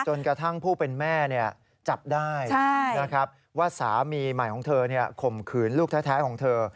กระทั่งผู้เป็นแม่จับได้ว่าสามีใหม่ของเธอข่มขืนลูกแท้ของเธอ